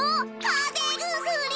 かぜぐすり！